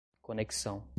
conexão